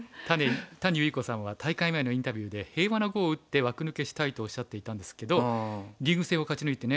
谷結衣子さんは大会前のインタビューで「平和な碁を打って枠抜けしたい」とおっしゃっていたんですけどリーグ戦を勝ち抜いてね